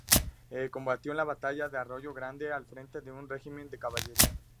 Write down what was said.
Combatió en la batalla de Arroyo Grande al frente de un regimiento de caballería.